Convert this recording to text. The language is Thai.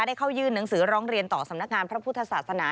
เข้ายื่นหนังสือร้องเรียนต่อสำนักงานพระพุทธศาสนา